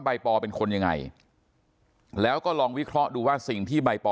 ปอเป็นคนยังไงแล้วก็ลองวิเคราะห์ดูว่าสิ่งที่ใบปอ